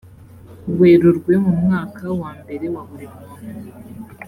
werurwe mu mwaka wa mbere wa buri muntu